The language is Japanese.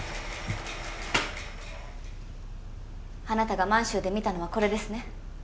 あなたが満洲で見たのはこれですね。